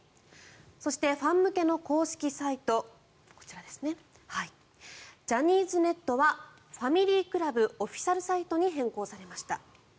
そして、ファン向けの公式サイトジャニーズネットはファミリークラブオフィシャルサイトに変更されました。